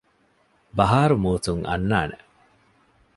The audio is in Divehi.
ބަހާރު މޫސުން އަންނާނެ